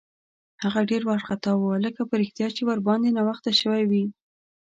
هغه ډېر وارخطا و، لکه په رښتیا چې ورباندې ناوخته شوی وي.